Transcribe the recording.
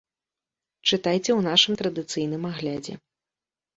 Чытайце ў нашым традыцыйным аглядзе.